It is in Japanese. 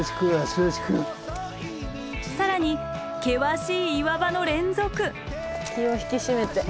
更に険しい岩場の連続。